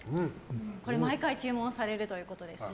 毎回注文されるということですね。